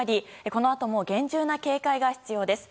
このあとも厳重な警戒が必要です。